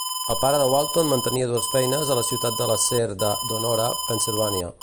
El pare de Walton mantenia dues feines a la ciutat de l'acer de Donora, Pensilvania.